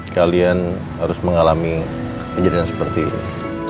kalian harus mengalami kejadian seperti ini